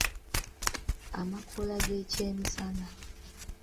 Amakola g’ekyemisana.